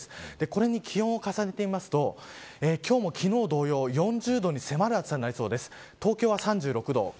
これに気温を重ねてみますと今日も昨日同様４０度に迫る暑さになりそうです。